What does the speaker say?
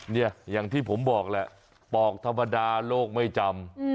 อย่างที่ผมบอกแหละปอกธรรมดาโลกไม่จำ